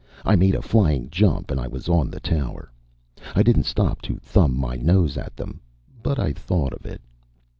I made a flying jump and I was on the tower. I didn't stop to thumb my nose at them, but I thought of it.